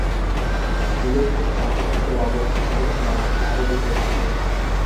Blue Hill Avenue এর অবস্থান এবং নকশা আরো বিতর্কিত।